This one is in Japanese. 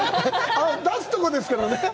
出すところですけどね。